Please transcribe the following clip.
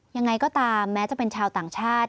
ยังไงก็ตามแม้จะเป็นชาวต่างชาติ